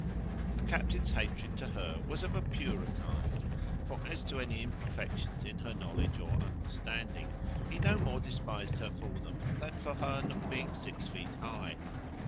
The captain's hatred to her was of a purer kind: for as to any imperfections in her knowledge or understanding, he no more despised her for them, than for her not being six feet high.